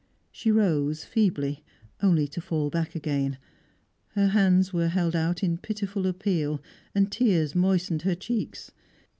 She rose, feebly, only to fall back again; her hands were held out in pitiful appeal, and tears moistened her cheeks.